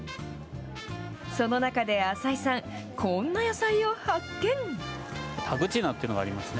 その中で浅井さん、こんな野菜を発見。